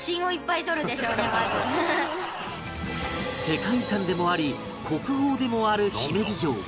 世界遺産でもあり国宝でもある姫路城